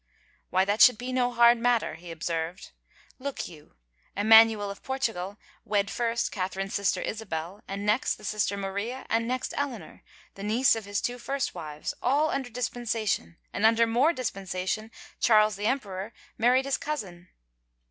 " Why, that should be no hard matter," he observed. " Look you, Emmanuel of Portugal wed first Catherine's sister, Isabel, and next the sister Maria, and next Eleanor, the niece of his first two wives, all under dispensation, and under more dispensation Charles, the emperor, mar ried his cousin."